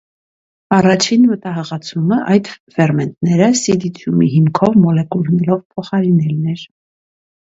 Առաջին մտահղացումը այդ ֆերմենտները սիլիցիումի հիմքով մոլեկուլներով փոխարինելն էր։